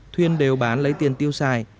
thuyên đều bán lấy tiền tiêu xài